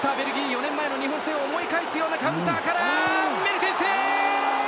４年前の日本戦を思い返すようなカウンターからメルテンス。